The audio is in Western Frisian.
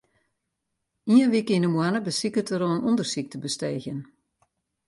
Ien wike yn 'e moanne besiket er oan ûndersyk te besteegjen.